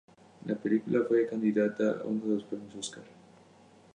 La película fue candidata a uno de los premios Oscar.